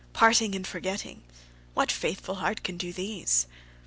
Parting and forgetting! What faithful heart can do these?